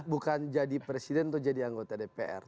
bukan jadi presiden atau jadi anggota dpr